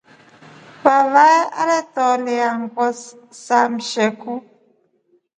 Vavae atulia nguo sa msheku.